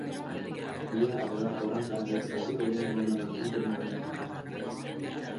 Dia adalah orang Kanada terakhir yang memenangkan turnamen.